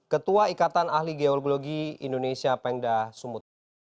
ketua ikatan ahli geologi indonesia pengda sumut